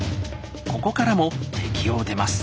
ここからも敵を撃てます。